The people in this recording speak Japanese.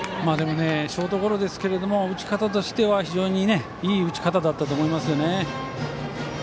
ショートゴロでしたが打ち方としては非常にいい打ち方だったと思いますね。